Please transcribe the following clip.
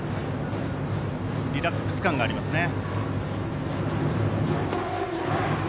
リラックス感がありますね。